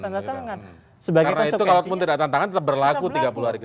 karena itu kalau tidak tanda tangan tetap berlaku tiga puluh hari ke depan